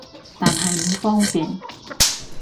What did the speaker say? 但係唔方便